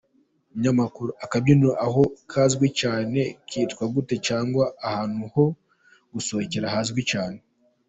Umunyamakuru: Akabyiniro aho kazwi cyane kitwa gute cyangwa ahantu ho gusohokera hazwi cyane?.